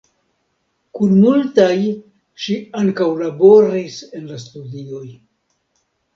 Kun multaj ŝi ankaŭ laboris en la studioj.